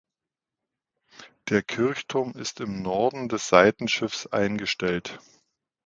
Der Kirchturm ist im Norden des Seitenschiffs eingestellt.